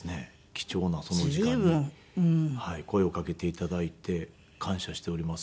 貴重なその時間に声をかけて頂いて感謝しております。